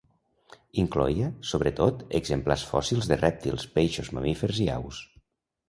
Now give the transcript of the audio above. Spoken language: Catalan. Incloïa, sobretot, exemplars fòssils de rèptils, peixos, mamífers i aus.